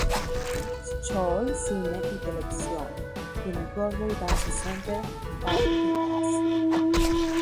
School, cine y televisión, y en el Broadway Dance Center, tap y jazz.